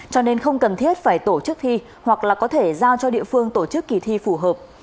cho nên không cần thiết phải tổ chức thi hoặc là có thể giao cho địa phương tổ chức kỳ thi phù hợp